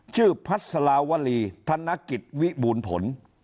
ชื่อพัฒนาวลีธนกิจวิบูรณ์ผล